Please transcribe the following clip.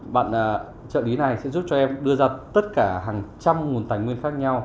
bạn trợ lý này sẽ giúp cho em đưa ra tất cả hàng trăm nguồn tài nguyên khác nhau